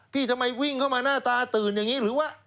ทำไมวิ่งเข้ามาหน้าตาตื่นอย่างนี้หรือว่า